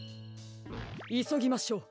いそぎましょう！